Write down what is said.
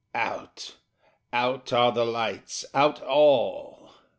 Out out are the lights out all!